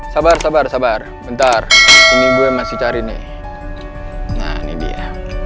sabar sabar sabar bentar ini gue masih cari nih nah ini dia